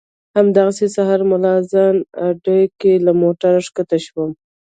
همدغسې سهار ملا اذان اډه کې له موټره ښکته شوم.